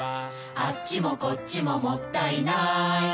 「あっちもこっちももったいない」